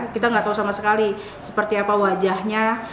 kita nggak tahu sama sekali seperti apa wajahnya